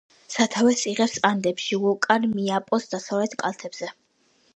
სათავეს იღებს ანდებში, ვულკან მაიპოს დასავლეთ კალთებზე.